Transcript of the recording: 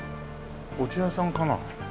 お茶屋さんかなあ。